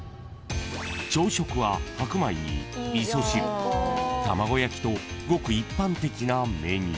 ［朝食は白米に味噌汁卵焼きとごく一般的なメニュー］